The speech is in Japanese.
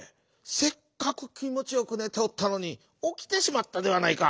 せっかくきもちよくねておったのにおきてしまったではないか。